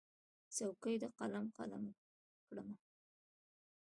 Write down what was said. څوکې د قلم، قلم کرمه